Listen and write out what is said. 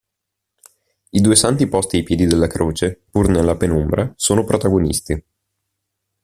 I due santi posti ai piedi della croce, pur nella penombra, sono protagonisti.